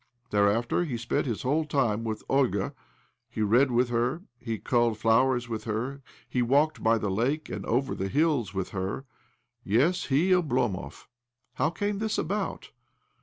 Thereafter he spent his whole time with Olga — he read with her, he culled flowers with her, he walked by the lake and over the hills with her. Yes, he, Oblomov ! How came this about?